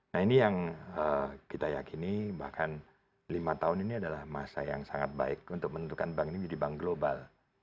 nah ini yang kita yakini bahkan lima tahun ini adalah masa yang sangat baik untuk menentukan bank ini menjadi bank global